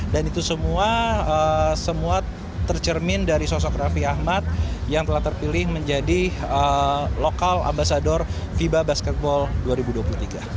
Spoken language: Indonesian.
dan itu semua tercermin dari sosok raffi ahmad yang telah terpilih menjadi lokal ambasador fiba basketball dua ribu dua puluh tiga